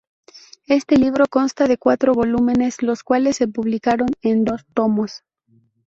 Este libro consta de cuatro volúmenes los cuales se publicaron en dos tomos.